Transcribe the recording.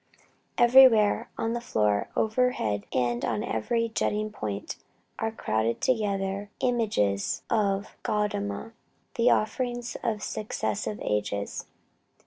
Everywhere on the floor, over head and on every jutting point, are crowded together images of Gaudama the offerings of successive ages.